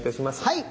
はい。